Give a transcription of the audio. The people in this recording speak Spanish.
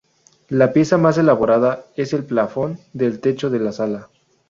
La pieza más elaborada es el plafón del techo de la sala.